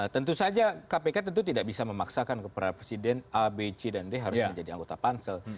tentu saja kpk tentu tidak bisa memaksakan kepada presiden a b c dan d harus menjadi anggota pansel